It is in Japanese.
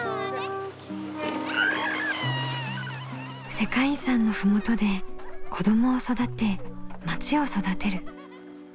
世界遺産の麓で子どもを育てまちを育てる。